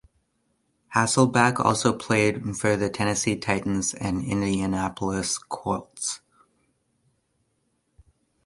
Hasselbeck also played for the Tennessee Titans and Indianapolis Colts.